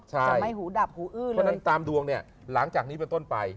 ใช่เพราะฉะนั้นตามดวงเนี่ยหลังจากนี้เป็นต้นไป